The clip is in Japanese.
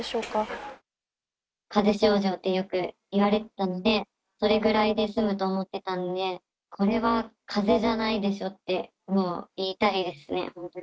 かぜ症状ってよくいわれてたので、それぐらいで済むと思ってたんで、これはかぜじゃないでしょって、もう言いたいですね。